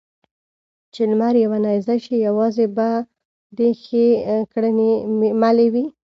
چې لمر يوه نېزه شي؛ يوازې به دې ښې کړنې ملې وي.